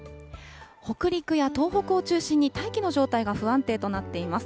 北陸や東北を中心に大気の状態が不安定となっています。